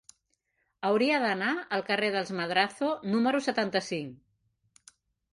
Hauria d'anar al carrer dels Madrazo número setanta-cinc.